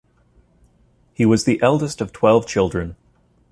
He was the eldest of twelve children.